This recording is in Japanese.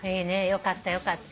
よかったよかった。